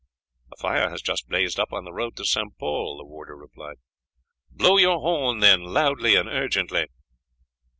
"A fire has just blazed up on the road to St. Pol," the warder replied. "Blow your horn, then, loudly and urgently."